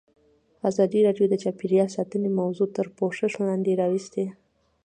ازادي راډیو د چاپیریال ساتنه موضوع تر پوښښ لاندې راوستې.